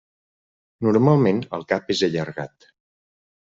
Normalment el cap és allargat.